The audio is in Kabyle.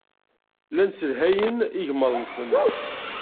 Llan sselhayen igmaḍ-nsen.